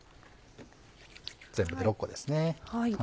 全部で６個です。